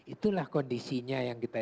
itulah kondisinya yang kita